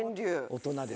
大人です。